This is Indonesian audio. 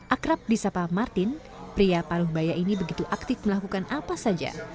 akrab di sapa martin pria paruh baya ini begitu aktif melakukan apa saja